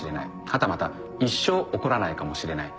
はたまた一生起こらないかもしれない。